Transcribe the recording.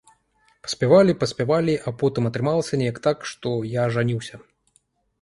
Паспявалі-паспявалі, а потым атрымалася неяк так, што я ажаніўся.